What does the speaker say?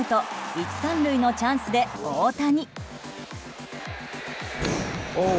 １、３塁のチャンスで大谷。